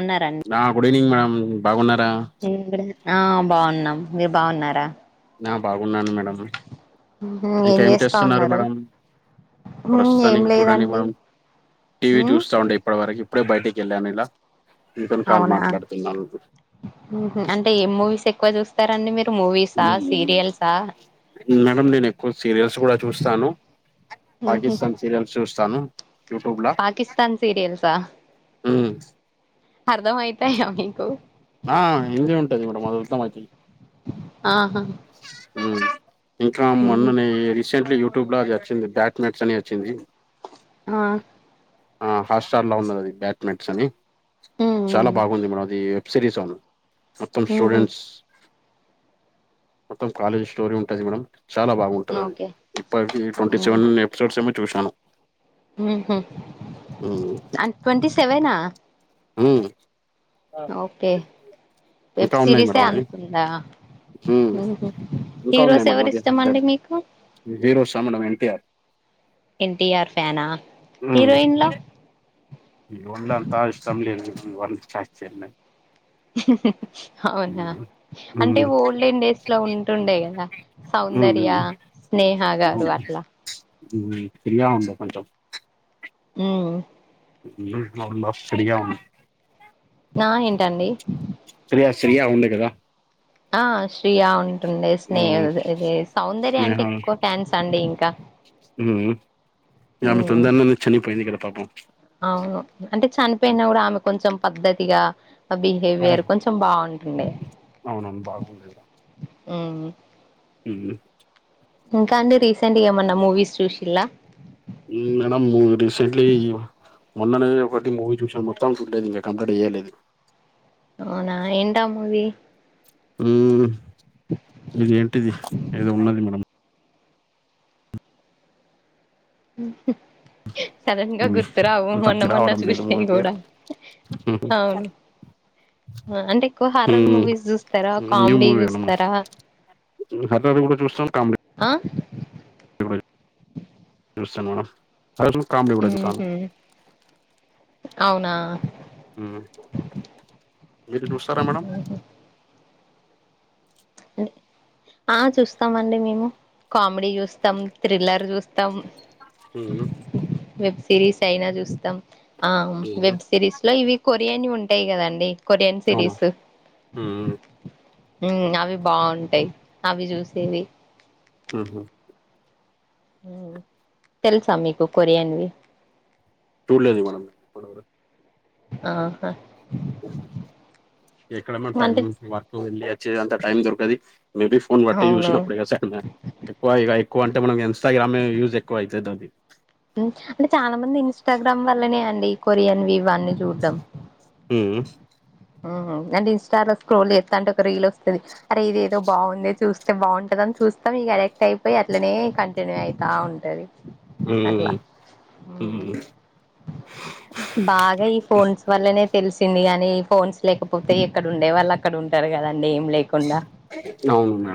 అన్నారం ఆ good evening madam, బాగున్నారా? ఆ బాగున్నాం, మీరు బాగున్నారా? నా బాగున్నాను మేడం, ఏం ఇంకేం చేస్తా చేస్తున్నారు ఉన్నారు మేడం? ఏం ప్రస్తుతానికి చూడండి లేదండి మనం, టీవీ చూస్తా ఉండే ఇప్పడి వరకి ఇప్పుడే బయటికి ఎళ్ళాను ఇలా, నీతోని కాల్ మాట్లాడుతున్నాను. ఉహు అంటే ఏ మూవీస్ ఎక్కువ చూస్ స్తారండి మీరు మూవీ ల్సా, మ్మ్. సీరియల్సా? మేడం నేను ఎక్కువ సీరియల్స్ గుడ చూస్తాను. పాకిస్తన్ సీరియల్స్ చూస్తాను. యూట్యూబ్లా, పాకిస్తాన్ సీరియల్సా ఉమ్ అర్ధం ఐతాయ మీకు? ఆ హిందీ ఉంటది మేడమ్, అది ఉత్త నాకి ఆహ ఉమ్ ఇంకా మొన్ననే రీసెంట్లీ యూ ట్యూబ్లా జచ్చింది, బ్యాట్ మట్స్ అని అచ్చింది. ఆ ఆ హాట్స్టార్ లో ఉన్నది అది బ్యాట్మెంస్ అని, చాలా బాగుంది మేడం అది, వెబ్ సిరీస్ అవును మొత్తం ఉహు స్టూడెంట్స్, మొత్తం కాలేజ్ స్టోరీ ఉంటది మేడం చాలా బాగుంటది అది, ఓకే ఇప్పటికి ట్వంటీ అవునా సెవెన్ ఎపిసోడ్స్ ఏమో చూశాను. ఉహు ఉమ్ అండ్ ట్వంటీ సెవెనా? ఓకే, వెబ్ ఇంకా ఉన్నాయి సిరీసే మేడం అవి అంతుంద? మ్మ్ ఉహు, హీరోస్ ఎవరిష్టమండి మీకు? జీరో సమడం ఎన్టీఆర్ ఎన్టీఆర్ ఫ్యానా హీరోయిన్ లో హీరోయిన్లు అంత ఇష్టం లేదు అవునా మ్మ్ అంటే ఓల్డేన్ డేస్ లో ఉంటుండే కదా మ్మ్ సౌందర్య స్నేహా గారు అట్లా ఉం ఫ్రీ గా ఉండు కొంచం ఉం రబ ఫ్రీయా ఉన్నా [unintelligible] నా ఏంటండి శ్రేయ శ్రేయ ఉండే కదా ఆ శ్రేయ ఉంటుండే ఆ స్నేహ ఇది సౌందర్య అంటే ఎక్కువ ఫ్యాన్స్ అండి ఇంకా ఉం ఆమె ఉమ్ తొందారలోనే చనిపోయింది కద పాపం అవును అంటే చనిపోయినా కూడా ఆమె కొంచెం పద్ధతిగా బిహేవియర్ అవును కొంచెం బాగుంటుండే అవునవును ఉం అ [unintelligible] ఇంకా అండి రీసెంట్గా ఏమన్నా మూవీస్ చూసిలా మేడం రిసెంట్లీ [unintelligible] మొన్ననే ఒకటి మూవీ చూసా మొత్తం చూలేదు ఇంకా కంప్లీట్ చేయలేదు అవునా ఎంటా మూవి ఉం ఇది ఏంటిది ఏదో ఉన్నది మేడమ్ [unintelligible] సడన్ గా మూవీ గుర్తురావు అంత మొన్న అద్ది మొన్న రావడం లేదు చూసినాయి మూవీ కూడా పేరు అవును ఆ అంటే ఎక్కువ హర్రర్ మ్మ్, మూవీస్ చూస్తారా కామెడీ చూస్తారా హారర్ కూడా చేస్తం కామెడీ ఆ చూస్తాను మేడం అ కామెడీ కూడాస్తాను ఉహు [unintelligible] [unintelligible] అవునా ఉం మీరు చూస్తారా మేడమ్ అ [unintelligible] ఆ చూస్తామ్ అండి మేము కామెడీ చూస్తాం థ్రిల్లర్ చూస్తాం ఉం వెబ్ సిరీస్ అయినా చూస్తాం ఆ మ్మ్. వెబ్ సిరీస్ లో ఇవి కొరియన్వి ఉంటాయి కదండి కొరియన్ సిరీస్ ఉమ్ ఉం అవి బాగుంటాయి అవి చూసేవి ఉహు ఉం తెల్సా మీకు కొరియన్వి చూడ్లేదు మనం ఆహా ఎక్కడ మ్యామ్ టైమ్ అంటే వర్క్ వెళ్ళి వచ్చేంత టైం దొరకది మేబి ఫోన్ బట్టి అవును చూసినప్పుడు కద స ఎక్కువ ఇగ ఎక్కువ అంటే మనం ఇన్స్ట్రాగ్రామే యూజ్ ఎక్కువ అయితది అది అంటే చాలా మంది ఇన్స్టాగ్రామ్ వల్లనే అండి కొరియన్వి ఇవి అన్నీ చూడమ్ ఉమ్ ఆహా అంటే ఇన్స్టాలో స్క్రోల్ చేస్తా అంటే ఒక రీల్ వస్తది అరే ఇదేదో బాగుందంది చూస్తే బాగుంటందని చూస్తాం ఇగ అరెక్ట్ అయిపోయి అట్లనే కంటిన్యూ అయితా ఉ టది ఉమ్, అట్లా ఊ ఉమ్. బాగా ఈ ఫోన్స్ వల్లనే తెలిసింది గానీ ఫోన్స్ లేకపోతే ఎక్కడ ఉండే వాళ్ళు అక్కడ ఉంటారు కదండి ఏం లేకుండా అవున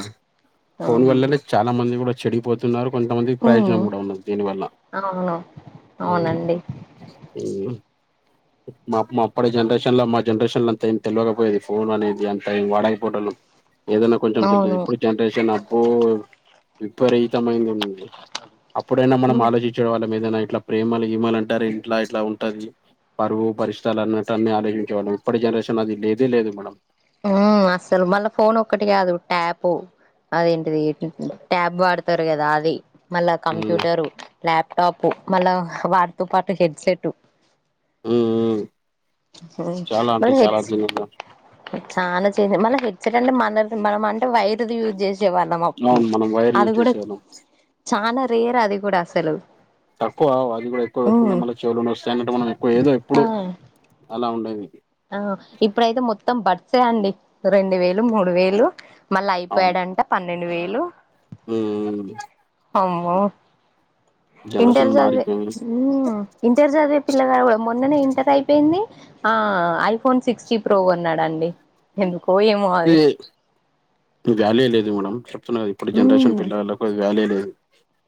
ఫోన్ ఆహా వల్లనే చాలా మంది కూడా చెడిపోతున్నారు కొంతమంది ప్రయోజనం ఉమ్ కూడా ఉన్నది దీని వల్ల అవును అవునండి ఊ మా మా అప్పడే జనరేషన్ లో మా జనరేషన్ లో అంత ఏం తెలియకపోయేది ఫోన్ అనేది అంత ఏం వాడకపోయెటలం ఏదన్నా కొంచం తెలిదు అవును ఇప్పు జనరేషన్ అబ్బో విపరీతమైంది ఉంది అప్పుడైనా మనం ఉమ్ ఆలోచి చెడు వాళ్ళ మీదనా ఇట్లా ప్రేమలు గీమలుంటారు ఇంట్ల ఇట్లా ఉంటది పరువు పరిష్ట అన్నటన్ని ఆలోచించే వాళ్ళం ఇప్పటి జనరేషన్ అది లేదే లేదు మేడం ఉ అస్సలు మళ్ళా ఫోన్ ఒక్కటి కాదు ట్యాపు అదేంటిది ట్యాబ్ వాడతారు కదా అది మళ్ళా ఉమ్ ఉమ్ కంప్యూటరు ల్యాప్టాప్ మళ్ళా వాటితో పాటు హెడ్సెట్ ఊ ఉ అహ మరి హెడ్స్ దీనిలో చాలా చే మన హెడ్ సెట్ అంటే మన మనం అంటే వైర్ది యూజ్ చేసే వాళ్ళం అవును మనం వైర్ అది యూజ్ కూడా చేసేవాళ్ళం చాలా రేర్ అది కూడా అసలు తక్కువ అది కూడా ఎక్కువ పెట్టుకుంటే ఉమ్ మళ్ళీ చెవులు నొస్తాయి అన్నట్టు మనం ఎక్కువ ఏదో ఆ ఎప్పుడో అలా ఉండేదికి ఆ ఇప్పుడైతే మొత్తం బర్డ్స్ అండి రెండు వేలు మూడు వేలు మళ్ళ ఐప్యాడ్ అంట పన్నెండు వేలు ఊ ఊ అమ్మో ఇంటర్ జనరేషన్ సధువే మారిపోయింది ఊ ఇంటర్ చదివే పిల్లగాడ కూడా మొన్ననే ఇంటర్ అయిపోయింది ఆ ఐఫోన్ సిక్స్ జీ ప్రో కొన్నాడండి ఎందుకో ఏమో అది ఇది వాల్యూ లేదు మేడం చెప్తున్నా కదా ఇప్పుడు జనరేషన్ మ్మ్ పిల్లలకు అది వాల్యూ లేదు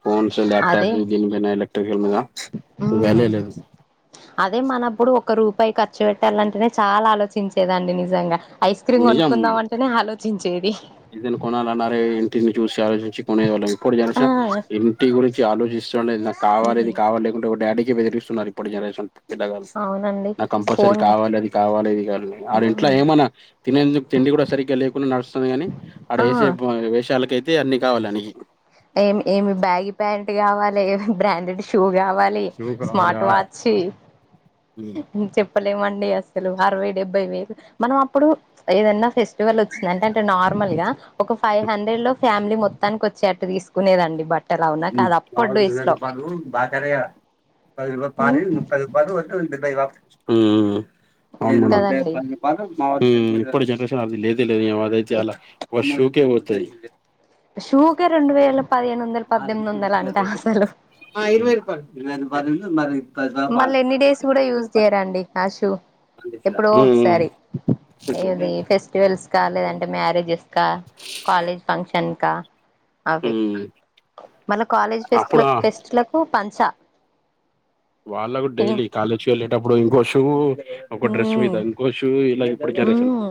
ఫోన్స్ అదే ల్యాప్టాప్ దీనిపైనా ఎలక్ట్రికల్ మీద ఈ మ్మ్ వాల్యూ లేదు అదే మనప్పుడు ఒక రూపాయి ఖర్చు పెట్టాలంటేనే చాలా ఆలోచించేదండి నిజంగా ఐస్ క్రీమ్ నిజం కొనుక్కుందాం అంటేనే ఆలోచించేది ఏదైనా కొనాలన్నా అరే ఇంటిని చూసి ఆలోచించి నే వాళ్ళం ఇప్పుడు ఆ జనరేషన్ ఇంటి గురించి ఆలోచిస్తు నాకు కావాలిది మ్మ్ కావాలి లేకుంటే ఒక డాడీకే బెదిరి సునారిప్పడి జనరేషన్ పిలగల్ అవునండి నాకు కంపల్సరీ ఫోన్ కావాలి అది కావాలి ఇది కావాలి ఆ ఇంట్ల మ్మ్ ఏమన్నా తినేందుకు తిండి కూడా సరిగ్గా లేకుండా నడుస్తుంది గాని ఆడ ఆ వేసే వేషాలకైతే అన్ని కావాలని ఏమి ఏమి బ్యాగి ప్యాంట్ కావాలి ఏమి బ్రాండెడ్ షూ కావాలి శుప్ రాద స్మార్ట్ వాచ్ ఉ చెప్పలేమండి అసలు అరవై డెబ్బై వేలు మనం అప్పుడు ఏదన్నా ఫెస్ ఎవల్ ఒచ్ అంటంటే నార్ నార్మల్ గా ఒక ఫైవ్ హండ్రెడ్ లో ఫ్యామిలీ మొత్తానికి వచ్చేటట్టు తీసుకునేదండి బట్ ఉ మా వొళ్ళు ఇరవై రూపాలు బాకాట గా పది రూపాలు పారి ఉమ్ ముప్పైదు బాలు వద్దు డెబై వాపస్ ఇచ్ ఊ అవునా ఇదే కదండి పని ఇప్పుడు జనరేషన్ అది లేది లేదు అది అయితే అలా వ షూకే పోతది షూ కె రెండు వేల పదిహేను వందలు పద్దెనిమిది వందలు అంట అసలు ఆ ఇరువై రూపాయల్ మళ్ళీ ఎన్ని డేస్ కూడా యూజ్ చేయరాండి ఆ షూ పాలు తెచ్చిరా. ఎప్పుడో ఉమ్, ఒకసారి ఏది ఫెస్టివల్స్ కా లేదంటే మ్యారేజెస్ కా కాలేజ్ ఫంక్షన్ కా అవి ఉమ్. మళ్ళా కాలేజ్ ఫెస్ట్ అప్పుడు ఫెస్ట్ల ఫెస్ట్లక్ పు పంచా వాళ్ళకు డైలీ కాలేజ్కి వెళ్ళేటప్పుడు ఇంకో షూ ఒక డ్రెస్ ఉమ్ మీద ఓ షూ ఇలా ఇప్పుడికి ఆరేసాను ఉమ్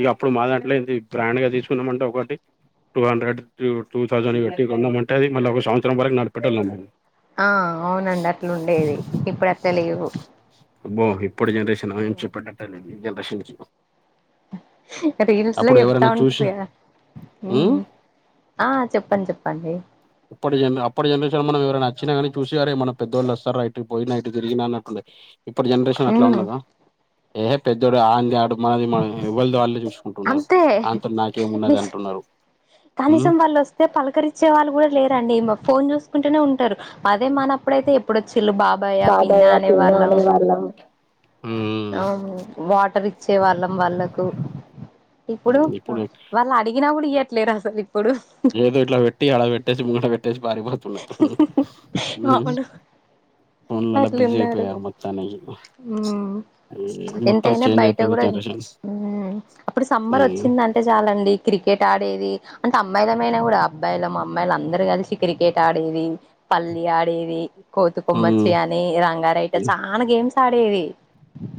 ఇగ అప్పుడు మా దాంట్లో ఏంది బ్రాండ్ గా తీసుకున్నామంటే ఒకటి టూ హండ్రెడ్ టూ థౌసండ్ పెట్టి కొన్నమంటే అది మళ్ళ ఒక సంవత్సరం వరకు నడిపేట్టొలం ఆ అవునండి అట్లా ఉండేది ఇప్పుడు అట్లా లేవు అబ్బో ఇప్పుడు జనరేషన్ చెప్పేటట్టలేదు ఈ జనరేషన్కి రీల్స్ లో చెప్తాంటారు కదా ఉ ఉమ్ ఆ చెప్పండి చెప్పండి ఇప్పటి జన్ అప్పటి జనరేషన్ మనం ఎరైనా వచ్చినాగానీ చూసి అరే మన పెద్దళ్ళ వస్తారు రా నైటు పోయినైటు తిరిగిన అన్నట్లు ఉండా ఇప్పుటి జనరేషన్ అట్లా ఉమ్ ఉండదు ఏహే పెద్దోడు ఆంగ ఆడు మనది మనం ఎవ్వల్ది వాళ్ళే చూసుకుంటున్నారు అంతే అంతల నాకేమున్నది అంటున్నారు హ్మ్ అయితే పలకరిచ్చే వాళ్ళు కూడా లేరండి ఫోన్ చూసుకుంటునే ఉంటారు అదే మనప్పుడైతే ఎప్పుడొచ్చిళ్ళు బాబాయ్య పిన్న అనేవాళ్ళం అలా అవును వాటర్ ఇచ్చే వాళ్ళం వాళ్ళ కూ ఇప్పుడు వాళ్ళు అడిగినా కూడా ఇయ్యట్లేరు అసలు ఇప్పుడు ఏదో ఇట్లా పెట్టి అడ పెట్టేసి ముంగట పెట్టేసి పారిపోతున్నరు హ్మ్ అవును ఫోన్లలలో బిజీ అట్లున్నారు అయిపోయారు ఉమ్ [unintelligible] మొత్తం ఎంతైనా చేంజ్ బయట అయిపోయింది కూడా జనరేషన్స్ హ్మ్ టే చాలండి క్రికెట్ ఆడేది అంటే అమ్మాయిలు మైయినా కూడా అబ్బాయిలు అమ్మాయిలు అందరు కలిసి క్రికెట్ ఆడేది పల్లి ఆడేది కోతు ఉమ్ కోమచ్చి నే రంగారయిట చానా గేమ్స్ ఆడేది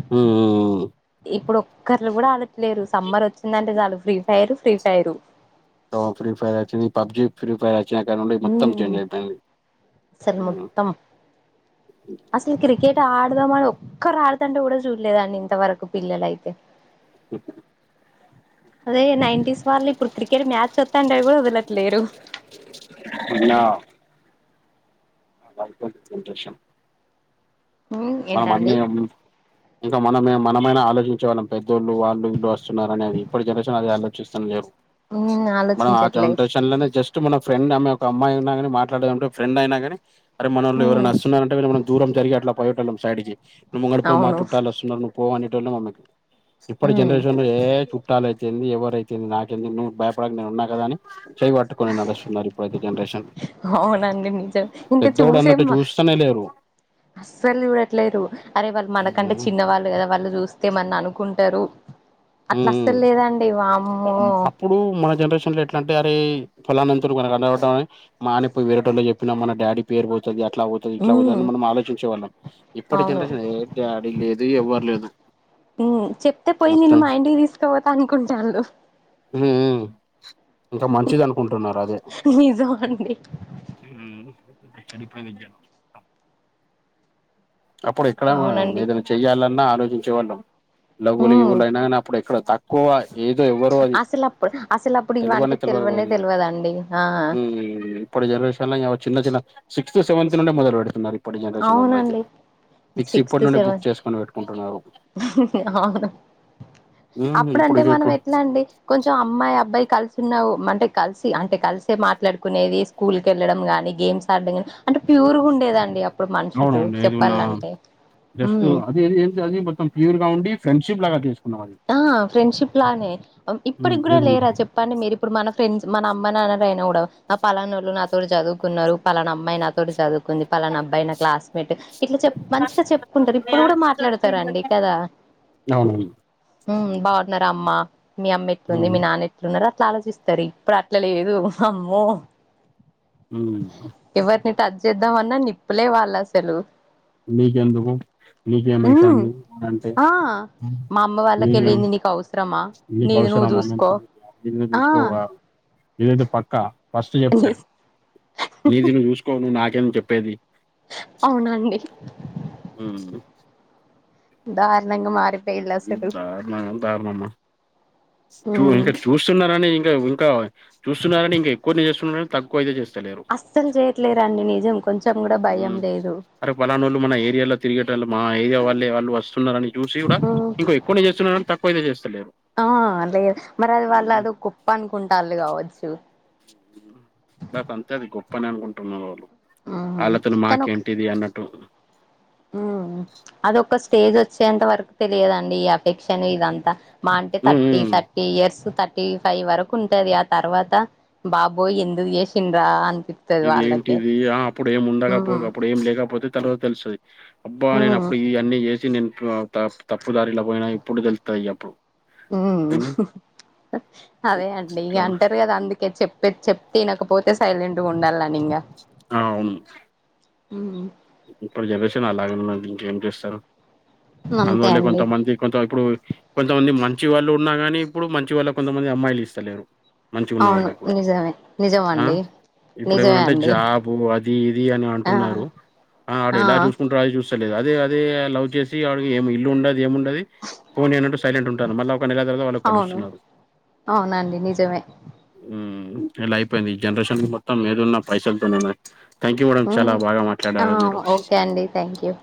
హ్మ్ హ్మ్ హ్మ్ ఇప్పుడు ఒక్కరులు కూడా ఆడట్లేదు సమ్మర్ వచ్చిందంటే చాలు ఫ్రీ ఫైరు ఫ్రీ ఫైరు తో ఫ్రీ ఫైర్ వచ్చింని పబ్జి ఫ్రీ ఫైర్ వచ్చినా కా నుండి మొత్తం చేంజ్ అయిపోయింది అసలు మొత్తం అసలు క్రికెట్ ఆడదామను ఒక్కరు ఆడుతా ఉంటే కూడా చూడలేదాండి ఇంతవరకు పిల్లలైతే అ అదే నైంటీస్ వాళ్ళ ఇప్పుడు క్రికెట్ మ్యాచ్ వతాంటే కూడా వదలట్ లేరు [unintelligible] [unintelligible] సంతోషం మ్మ్ మనం అన్నీ ఏంటండి ఇంకా మనమే మనమైనా ఆలోచించే వాళ్ళం పెద్దోళ్ళు వాళ్ళు వీళ్ళు వస్తున్నారు అనేనని ఇప్పటి జనరేషన్ అది ఆలోచిస్త లేరు ఉమ్ మనం ఆ ఆలోచించట్లే జనరషన్ లో జస్ టు మన ఫ్రెండ్ అమ్మాయి ఒక అమ్మాయి ఉన్న గాని మాట్లాడంటే ఫ్రెండ్ అయినా గాని అరే మన వొళ్ళు ఉమ్ ఎవరైనా వస్తున్నారు అంటే [unintelligible] మనం దూరం జరిగి అట్లా పోయేటోళ్ళం సైడ్కి నువ్వు ముంగట పొమ్మ అవును చుట్టాలు వస్తున్నారు నువ్ పో అనేటోళ్ళు మమ్మకే ఇప్పుడు ఉమ్ జనరేషన్ ఏ చు చట్టాలు అయితే ఏంది ఎవరైయితే ఏంది నాకేందుకు నువ్ భయపడక నేను ఉన్నా కద అని చెయ్ పట్టుకొని నడుస్తున్నారు ఇప్పుడుతే జనరేషన్ అవునా పెద్దోడు అన్నట్టు చూస్తానే లేరు అస్సలు చూడట్లేరు అరే వాళ్ళు మనకంటే ఉమ్ చిన్నవాళ్ళు కదా వాళ్ళు చూస్ తేమన్ననుకుంటారు అట్ల అస్సల్ లేరండి వామ్ అం అప్పుడు మన జనరేషన్ లో ఎట్లా అంటే అరే ఫొలానంతరూనక అలా [inaudible] మానే పోయి వేరే టోళ్ళు చెప్పినా మన డాడీ పేరు పోతది అట్లా పోతది ఇట్లా పోతది ఉమ్ అని మనం ఆలోచించేవాళ్ళం ఇప్పటి అవును జనరేషన్ ఏ డాడి లేదు ఎవ్వర్ లేదు హ్మ్ చెప్తే పోయి నేను మొత్తం మా ఇం సోతన్కుంటాండు ఉఉ ఇంకా మంచిదనుకుంటున్నారదే నిజం అండి హ్మ్ చెడిపే వెజ అప్పుడు ఎక్కడ అవునండి ఏదన్న చెయ్యాలన్నా ఆలోచించేవాళ్ళం లవ్వులు ఉమ్ గివ్వులైన నప్పుడు ఇక్కడ తక్కువ ఏదో ఎవ్వరు అది అసలు అప్పుడు అసలు అప్పుడు తెలుగు ఇవంటే వాళ్ళే తెల్వక పోయే తెల్వనే నేను తెల్వదండి ఆ హ్మ్ [inaudible] ఇప్పుడు జనరేషన్ లో యావ చిన్న చిన్న సిక్స్త్ సెవెంత్ లోనే మొదలు పెడుతున్నారు ఇప్పటి జనరేషన్ వాల్లయితే అవునండి సిక్స్త్ సెవెన్ పెట్టుకుంటున్నారు అవును ఉమ్ అప్పుడంటే ఇప్పుడు మనం ఎట్లా అండి కొంచెం అమ్మాయ్ అబ్బాయ్ కల్ సున్నావు అంటే కలిసి అంటే కలిసే మాట్లాడుకునేవి స్కూల్ కెళ్ళడం గాని గేమ్స్ ఆడ్డం గాని అంటే ప్యూర్ గుండేదండి అప్ ప్పుడు మన్ షులు అవునవును చెప్పాలంటే హ్మ్ ఏది ఏంటది మొత్తం ప్యూర్ గా ఉండి ఫ్రెండ్షిప్ లాగా తీస్ ఆ ఫ్రెండ్షిప్ లానే ఇప్పటిక్ క్కూడా లేరా చెప్ చెప్పండి మీరుప్పుడు మన ఫ్రెండ్స్ మన అమ్మ నాన్నలయినా కూడా నా పలానాళ్ళు నాతో చదువుకున్నారు పాలనమ్మాయి నాతోటి చదువ్ కుంది పలానా అబ్బాయి న క్లాస్మేట్ ఇట్లా చెప్ మంచిగా చెప్ కుంటారు ఇప్పుడు కూడా మాట్లాడతారండి కదా నవును హ్మ్ బాన్నారా అమ్మ మీ అమ్మేట్లుంది మీ నాన్నెట్ లున్నారు అట్లా ఆలోచిస్తారు ఇప్పుడు అట్లా లేదు వామ్మో ఊ ఎవర్ ని టచ్ చేద్దాం అన్నా నిప్పులే వాళ్ళసలు నీకెందుకు హ్మ్ నీకేమైతాంది అంటే ఆ మా అమ్మ వాళ్ళకె లేనిది నీకవ్ సరమా నీకవసరమా ఇల్లు ఆ చూస్కోవా ఇదైతే పక్కా ఫస్ట్ చెప్తారు అనేసి నీది నువ్ చూసుకో నువ్ నాకేం చెప్పేది అవునండి ఊ దార్ణంగా మారి దారునాల్ దారుణమ మ్మా చూ హ్మ్ ఇంకా చూస్తున్నారని ఇంకా ఇంకా చూస్తున్నరని ఇంకా ఎక్కువనే చేస్తున్రు తక్కువయితే చేస్తలేరు అస్సలు చేయట్లేరండి నిజం కొంచెం కూడా భయం లేదు అరే పలానోళ్ళు మన ఏరియాలో తిరిగే టోళ్ళు మా ఏరియా వాళ్ళే వాళ్ళు వస్తున్నారని జూసి కూడా ఉమ్, ఇంక ఎక్కువ చేస్తున్నారు తక్కువయితే చేస్తలేరు ఆ లే మరి అది హ్మ్ వాళ్ళదొ గొప్ప అన్ కుంటాళ్ళు కావచ్చు నాకంతే అది గొప్ప అనే అనుకుంటున్నారు వాళ్ళు హ్మ్ వాళ్ళ తోనీ మాకేంటిది అన్నట్టు హ్మ్ అదొక స్టేజ్ వచ్చేంత వరకు తెలియదండి ఈ అఫెక్షను ఇదంతా మా అంటే హ్మ్ థర్టీ హ్మ్ thirty years thirty five వరకూ ఉంటది ఆ తర్వాతా బాబోయ్ ఎందుగ్ చేశిండ్రా అనిపిత్. ఇది ఏంటిదీ ఆ అప్పుడు ఏం ఉండకపో ఉమ్ అప్పుడు ఏం లేకపోతే తర్వాత తెలుస్తది. అబ్బా నేను ఉమ్ అప్పుడు ఈ అన్నీ చేశి నేను ఆ తప్ తప్పుదారిలా పోయినా ఇప్పుడు తెలుత్తయి ఇగ అప్పుడు. ఊఊ హ్మ్ అదే అండి ఇట్లా ఇగా ఉంది. అంటరు గదా అందుకే చెప్. చెప్తే ఇనకపోతే సైలెంట్ గ ఉండాలని ఇంగా. అవును ఊ ఊ ఇప్పుటి జనరేషన్ అలాగే ఉందండి ఇంకేం చేస్తారు. అంతే అందువల్లే అండి కొంతమంది కొంత ఇప్పుడూ కొంతమంది మంచి వాళ్ళు ఉన్నా గాని ఇప్పుడు మంచి వాళ్ళక్ కొంతమంది అమ్మాయిలు ఇస్తలేరు. మంచిగున్న అవును వాళ్ళకి గూడా నిజమే నిజం ఆ అండి ఇప్పుడు నిజమే ఏమనంటే అండి జాబూ అదీ ఇదీ అని ఆ అంటున్నారు ఆ. ఆడు ఎలా చూసుకుంటాడు అది చూస్తలేదు అదే అదే లవ్ చేశీ ఆడుకి ఏమి ఇల్లు ఉండది ఏంముండది. ఫోన్ చేయండి అంటే సైలంట్ ఉంటాన్రు మళ్ళా ఒక నెలా తర్వాత వాళ్ళు అవును కలుస్తున్నారు. అవునండి నిజమే హ్ము ఇలా అయిపోయింది ఈ జనరేషన్ మొత్తం ఏదున్నా పైసల్తోనే నం థ్యాంక్ యూ మేడం చాలా బాగా మాట్లాడారు మీరు. ఓకే అండి థ్యాంక్యూ